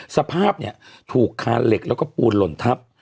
สภาพเนี่ยถูกคานเหล็กแล้วก็ปูนหล่นทับ